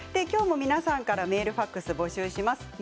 きょうも皆さんからメール、ファックスを募集します。